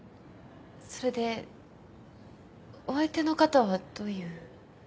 それでお相手の方はどういう。